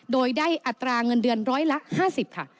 โดยได้อัตราเงินเดือน๑๕๐ค่ะ